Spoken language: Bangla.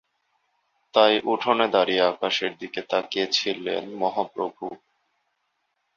তাই উঠোনে দাঁড়িয়ে আকাশের দিকে তাকিয়ে ছিলেন মহাপ্রভু।